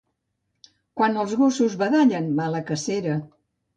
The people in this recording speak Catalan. Quan els gossos badallen, mala cacera.